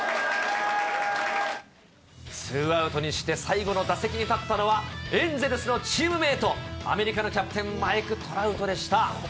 ツーアウトにして最後の打席に立ったのは、エンゼルスのチームメート、アメリカのキャプテン、マイク・トラウトでした。